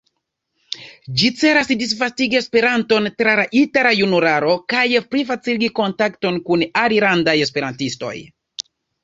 Ĝi celas disvastigi Esperanton tra la itala junularo, kaj plifaciligi kontakton kun alilandaj esperantistoj.